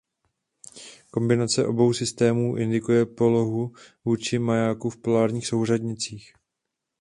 Kombinace obou systémů indikuje polohu vůči majáku v polárních souřadnicích.